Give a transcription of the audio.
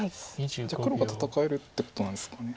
じゃあ黒が戦えるってことなんですかね。